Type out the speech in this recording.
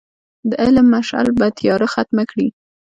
د علم مشعل به تیاره ختمه کړي.